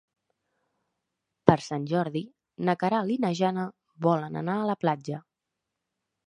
Per Sant Jordi na Queralt i na Jana volen anar a la platja.